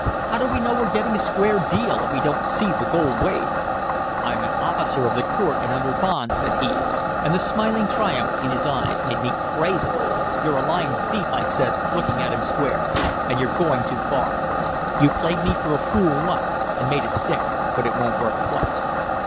How do we know we're getting a square deal if we don't see the gold weighed?' "'I'm an officer of the court and under bond,' said he, and the smiling triumph in his eyes made me crazy. "'You're a lying thief,' I said, looking at him square. 'And you're going too far. You played me for a fool once and made it stick, but it won't work twice.'